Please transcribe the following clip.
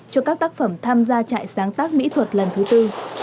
cho các tác phẩm tham gia trại sáng tác mỹ thuật lần thứ tư